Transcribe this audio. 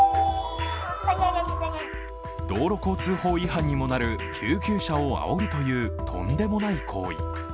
道路交通法違反にもなる救急車をあおるというとんでもない行為。